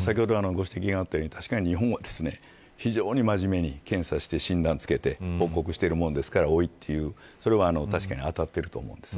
先ほど、ご指摘があったように日本は非常に真面目に検査をして診断をつけて報告しているものですから多いというのは、確かに当たっていると思うんです。